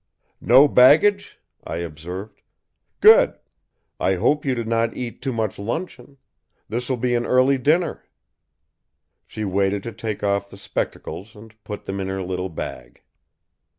"No baggage?" I observed. "Good! I hope you did not eat too much luncheon. This will be an early dinner." She waited to take off the spectacles and put them in her little bag.